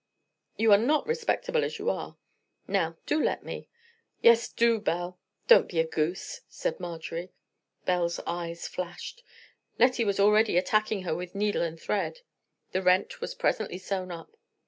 You are not respectable as you are. Now, do let me." "Yes, do, Belle; don't be a goose," said Marjorie. Belle's eyes flashed. Lettie was already attacking her with needle and thread. The rent was presently sewn up.